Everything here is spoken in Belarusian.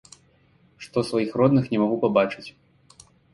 Што сваіх родных не магу пабачыць.